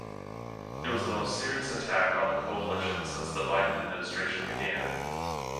It was the most serious attack on the coalition since the Biden administration began.